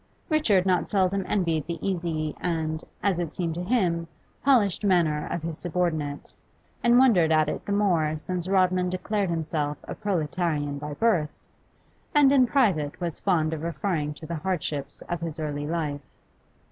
Richard not seldom envied the easy and, as it seemed to him, polished manner of his subordinate, and wondered at it the more since Rodman declared himself a proletarian by birth, and, in private, was fond of referring to the hardships of his early life.